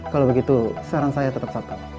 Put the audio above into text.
kalau begitu saran saya tetap satu